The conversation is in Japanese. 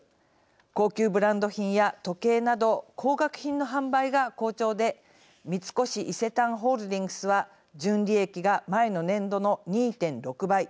高級ブランド品や時計など高額品の販売が好調で三越伊勢丹ホールディングスは純利益が前の年度の２．６倍。